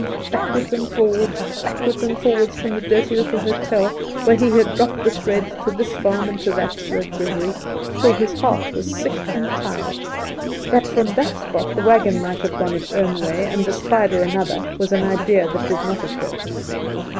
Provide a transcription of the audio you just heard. Backward and forward, backward and forward, from the dirty little hotel where he had dropped the thread, to this farm and to that, rode Gregory, till his heart was sick and tired. That from that spot the wagon might have gone its own way and the spider another was an idea that did not occur to him.